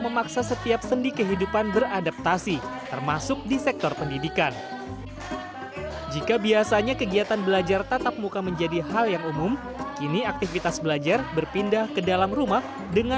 mengikuti kegiatan belajar secara daring